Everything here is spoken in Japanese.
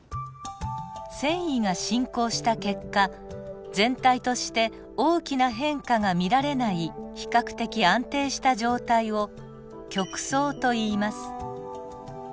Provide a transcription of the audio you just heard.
遷移が進行した結果全体として大きな変化が見られない比較的安定した状態を極相といいます。